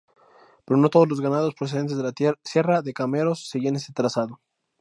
Pero no todos los ganados procedentes de la Sierra de Cameros seguían este trazado.